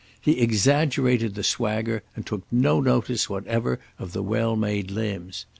He exaggerated the swagger, and took no notice whatever of the well made limbs.